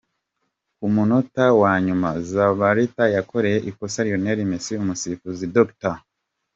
Ku munota wa nyuma, Zabaleta yakoreye ikosa Lionel Messi, umusifuzi Dr.